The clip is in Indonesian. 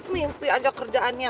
mimpi aja kerjaannya